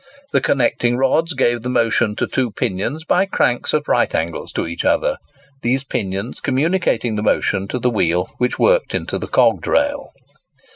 The connecting rods gave the motion to two pinions by cranks at right angles to each other; these pinions communicating the motion to the wheel which worked into the cogged rail.